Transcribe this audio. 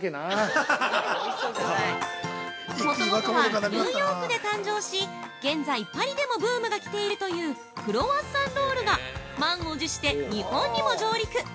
◆もともとはニューヨークで誕生し現在パリでもブームが来ているというクロワッサンロールが満を持して日本にも上陸！